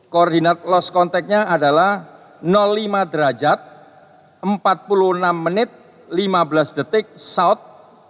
koordinat lost contactnya adalah lima derajat empat puluh enam menit lima belas detik south